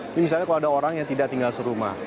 ini misalnya kalau ada orang yang tidak tinggal serumah